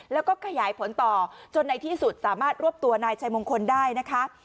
แล้วก็ขยายผลต่อจนในที่สุดสามารถรวบตัวนายชัยมงคลได้นะคะ